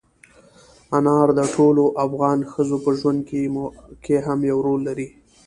انار د ټولو افغان ښځو په ژوند کې هم یو رول لري.